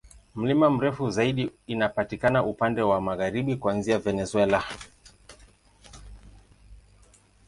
Milima mirefu zaidi inapatikana upande wa magharibi, kuanzia Venezuela.